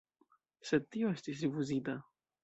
Sed tio estis rifuzita.